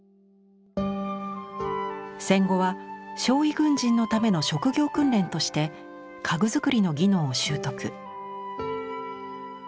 戦後は傷い軍人のための職業訓練として家具作りの技能を習得。